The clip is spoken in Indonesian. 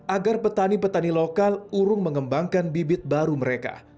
agar petani petani lokal urung mengembangkan bibit baru mereka